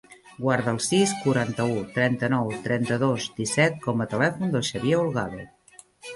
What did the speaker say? Guarda el sis, quaranta-u, trenta-nou, trenta-dos, disset com a telèfon del Xavier Holgado.